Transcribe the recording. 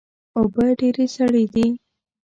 اوبه ډیرې سړې دي